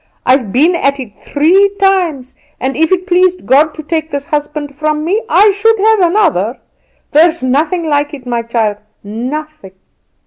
I've been at it three times, and if it pleased God to take this husband from me I should have another. There's nothing like it, my child; nothing."